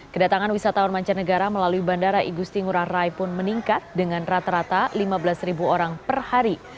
kedatangan wisatawan mancanegara melalui bandara igusti ngurah rai pun meningkat dengan rata rata lima belas orang per hari